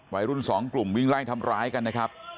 วัยรุ่นสองกลุ่มวิ่งไล่ทำร้ายกันนะครับ